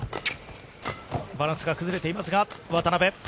バランスが崩れていますが、渡辺。